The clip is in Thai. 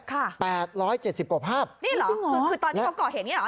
ค่ะรูปภาพนี่เหรอคือตอนที่เขาก่อเห็นนี่เหรอ